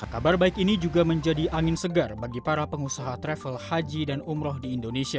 kabar baik ini juga menjadi angin segar bagi para pengusaha travel haji dan umroh di indonesia